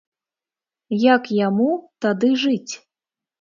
Як яму тады жыць?